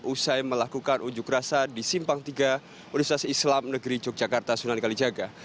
usai melakukan unjuk rasa di simpang tiga universitas islam negeri yogyakarta sunan kalijaga